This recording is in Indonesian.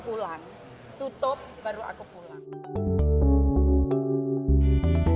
nunggu sampai satu minggu di sini